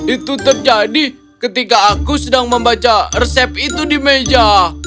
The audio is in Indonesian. itu terjadi ketika aku sedang membaca resep itu di meja